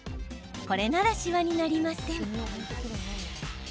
これなら、しわになりません。